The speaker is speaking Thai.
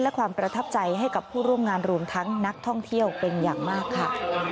และความประทับใจให้กับผู้ร่วมงานรวมทั้งนักท่องเที่ยวเป็นอย่างมากค่ะ